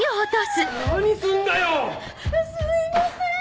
すいません！